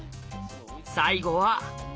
最後は。